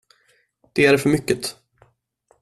De är för mycket.